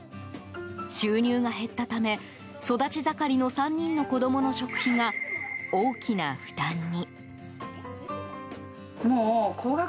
収入が減ったため育ち盛りの３人の子供の食費が大きな負担に。